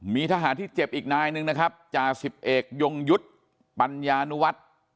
มีทหารที่เจ็บอีกนายหนึ่งนะครับจ่าสิบเอกยงยุทธ์ปัญญานุวัฒน์